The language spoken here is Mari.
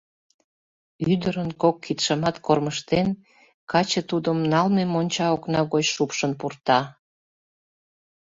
Ӱдырын кок кидшымат кормыжтен, каче тудым налме монча окна гоч шупшын пурта.